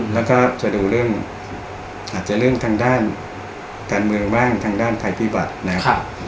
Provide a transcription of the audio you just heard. แล้วก็จะดูเรื่องอาจจะเรื่องทางด้านการเมืองบ้างทางด้านภัยพิบัตินะครับ